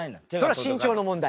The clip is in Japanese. それは身長の問題。